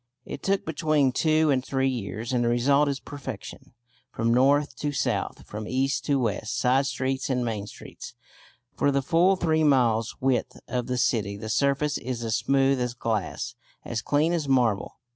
It took between two and three years, and the result is perfection. From north to south, from east to west, side streets and main streets, for the full three miles' width of the city, the surface is as smooth as glass, as clean as marble.